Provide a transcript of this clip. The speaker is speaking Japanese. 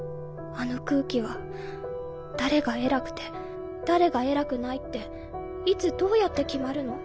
あの空気は誰がえらくて誰がえらくないっていつどうやって決まるの？